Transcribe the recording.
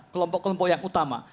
kelompok kelompok yang utama